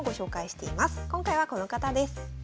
今回はこの方です。